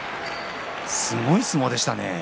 すごい相撲でしたね。